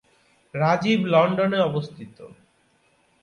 রাজীব লন্ডনে অবস্থিত।